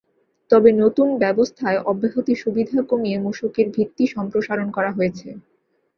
তবে নতুন ব্যবস্থায় অব্যাহতি সুবিধা কমিয়ে মূসকের ভিত্তি সম্প্রসারণ করা হয়েছে।